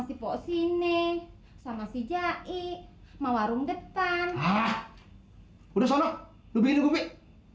si pos ini sama si jai mawarung depan udah sana lebih lebih